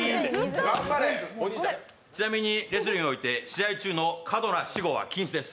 ちなみにレスリングにおいて試合中の過度な死語は禁止です。